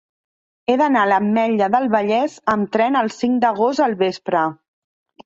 He d'anar a l'Ametlla del Vallès amb tren el cinc d'agost al vespre.